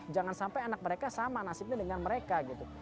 jangan sampai anak mereka sama nasibnya dengan mereka gitu